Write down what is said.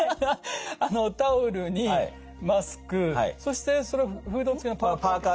タオルにマスクそしてそれフード付きのパーカー？